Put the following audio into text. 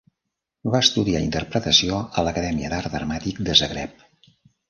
Va estudiar interpretació a l'Acadèmia d'Art Dramàtic de Zagreb.